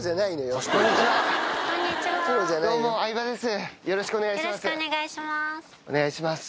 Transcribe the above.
よろしくお願いします。